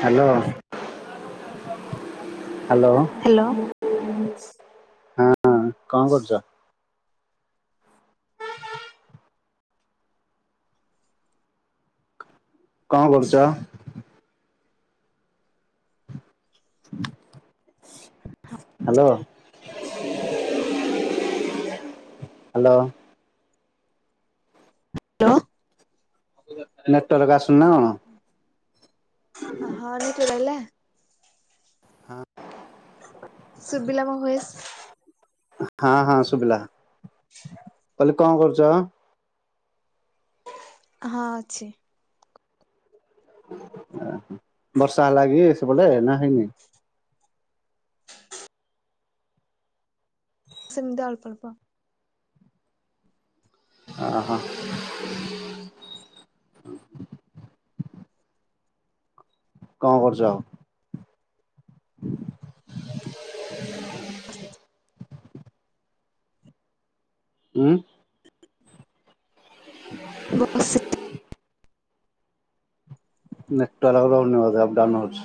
Hello. Hello. Hello. ହଁ କଣ କରୁଛ? କଣ କରୁଛ? [inaudible] ହ୍ୟାଲୋ। ହ୍ୟାଲୋ। ହ୍ୟାଲୋ। ଆ [inaudible] ହଁ ଲେଟେହେଲା କି? ହଁ। ସୁୁରବିଲା ମ ଭଏସ। ହଁ ହଁ ଶୁବଲା। [inaudible] କଣ କରୁଛ? ହଁ ଅଛି। ବର୍ଷା ହେଲାଗି ସେ ବ ନା ହେଇନି? ସେମିତି ଅଳ୍ପ ଅଳପ। ଓ ହୋ। କଣ କରଛ ଆଉ। [unintelligible] ଉମ୍। ହ। [inaudible] ବସ୍। [inaudible] ନଟ ରନବାଦ ଆପ।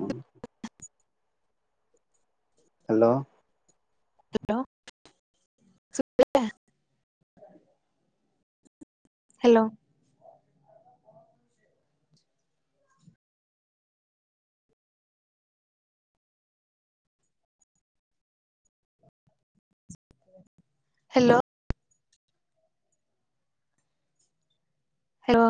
ହଁ। ହ୍ୟାଲୋ। ଲ ହ୍ୟାଲୋ। ହ୍ୟାଲୋ। ହ୍ୟାଲୋ।